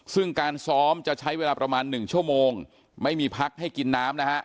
ซึ่งการซ้อมจะใช้เวลาประมาณ๑ชั่วโมงไม่มีพักให้กินน้ำนะฮะ